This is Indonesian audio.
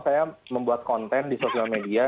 saya membuat konten di sosial media